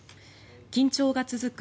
緊張が続く